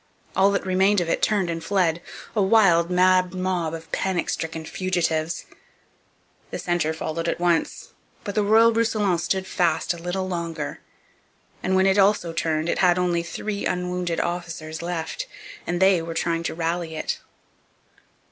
All that remained of it turned and fled, a wild, mad mob of panic stricken fugitives. The centre followed at once. But the Royal Roussillon stood fast a little longer; and when it also turned it had only three unwounded officers left, and they were trying to rally it.